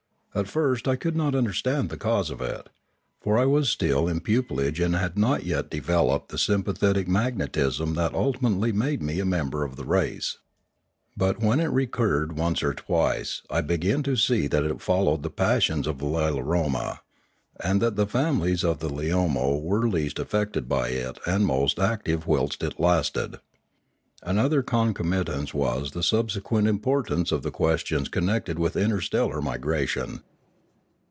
At first I could not understand the cause of it; for I was still in pupillage and had not yet developed the sympathetic magnetism that ultimately made me a member of the race. But, when it recurred once or twice, I began to see that it followed the passions of Lilaroma; and that the families ot the Leomo were least affected by it and most active whilst it lasted. Another concomitance was the subsequent importance of the questions connected with inter stellar migration.